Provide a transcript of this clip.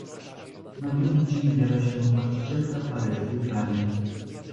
"Na drugi dzień zjawia się właścicielka paryskiej pralni."